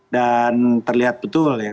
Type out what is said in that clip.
dan terlihat betul ya